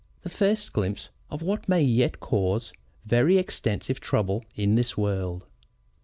The First Glimpse of what May yet Cause very Extensive Trouble in this World.